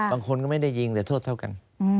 บางคนก็ไม่ได้ยิงหรือโทษเท่ากัน